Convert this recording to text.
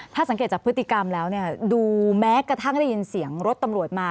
ถ้าสังเกตจากพฤติกรรมแล้วเนี่ยดูแม้กระทั่งได้ยินเสียงรถตำรวจมา